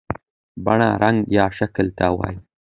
بڼه رنګ یا شکل ته وایي.